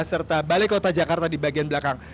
serta balai kota jakarta di bagian belakang